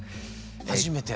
初めて？